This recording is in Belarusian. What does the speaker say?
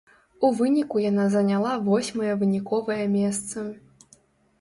У выніку яна заняла восьмае выніковае месца.